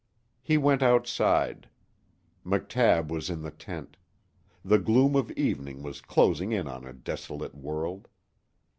He went outside. McTabb was in the tent. The gloom of evening was closing in on a desolate world.